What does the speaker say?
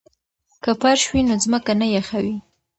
که فرش وي نو ځمکه نه یخوي.